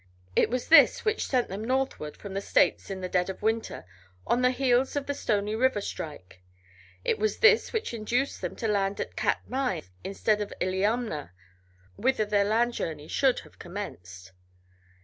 It was this which sent them northward from the States in the dead of winter, on the heels of the Stony River strike; it was this which induced them to land at Katmai instead of Illiamna, whither their land journey should have commenced.